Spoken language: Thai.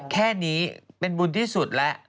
แค่นี้เป็นบุญที่สุดแล้ว